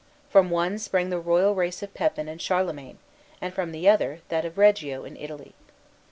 From one sprang the royal race of Pepin and Charlemagne, and from the other, that of Reggio, in Italy.